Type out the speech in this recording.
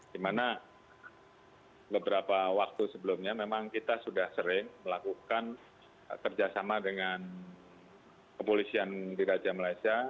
di mana beberapa waktu sebelumnya memang kita sudah sering melakukan kerjasama dengan kepolisian di raja malaysia